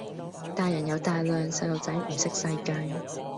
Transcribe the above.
大人有大量，細路仔唔識世界